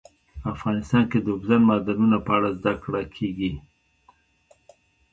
افغانستان کې د اوبزین معدنونه په اړه زده کړه کېږي.